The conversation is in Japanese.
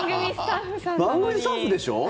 番組スタッフでしょ？